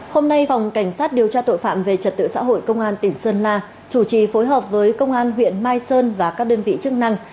hôm nay phòng cảnh sát điều tra tội phạm về trật tự xã hội công an tỉnh sơn la chủ trì phối hợp với công an huyện mai sơn và các đơn vị chức năng